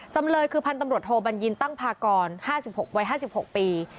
จำเลยคือพันธุ์ตำรวจโทบัญญินตั้งพากร๕๖วัย๕๖ปี